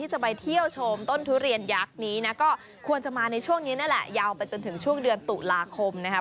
ช่วงนี้นั่นแหละยาวไปจนถึงช่วงเดือนตุลาคมนะครับ